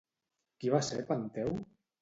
Qui va ser Penteu?